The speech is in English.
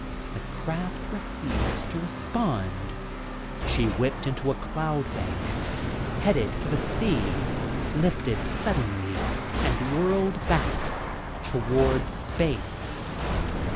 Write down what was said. The craft refused to respond. She whipped into a cloud bank, headed for the sea, lifted suddenly and whirled back toward space.